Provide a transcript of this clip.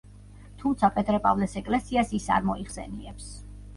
თუმცა პეტრე-პავლეს ეკლესიას ის არ მოიხსენიებს.